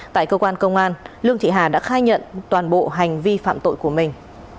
tại cơ quan công an lương thị hà đã khai nhận toàn bộ hành vi phạm tội của mình